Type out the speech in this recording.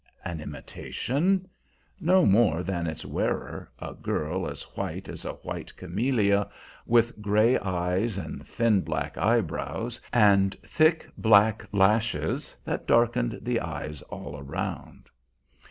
An imitation? No more than its wearer, a girl as white as a white camellia, with gray eyes and thin black eyebrows, and thick black lashes that darkened the eyes all round.